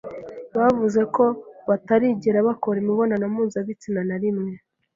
bavuze ko batarigera bakora imibonano mpuzabitsina na rimwe